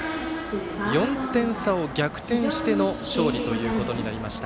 ４点差を逆転しての勝利ということになりました。